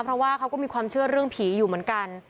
เพราะว่าเขาก็มีความเชื่อเรื่องผีอยู่เหมือนกัน